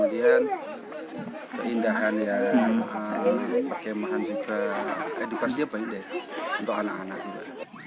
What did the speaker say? kemudian keindahan yang pakai mahan juga edukasi apa ini deh untuk anak anak juga